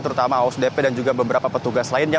terutama osdp dan juga beberapa petugas lainnya